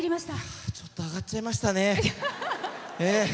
ちょっとアガっちゃいましたね。